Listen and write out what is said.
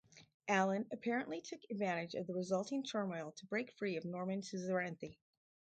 Alan apparently took advantage of the resulting turmoil to break free of Norman suzerainty.